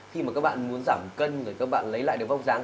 khi mà các bạn muốn giảm cân rồi các bạn lấy lại được bóc dáng